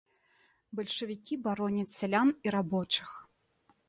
Бальшавікі бароняць сялян і рабочых.